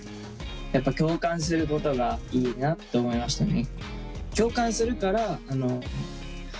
やっぱ共感することがいいなと思いましたね。